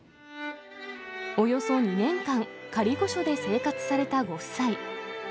およそ２年間、仮御所で生活されたご夫妻。